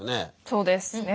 そうですね。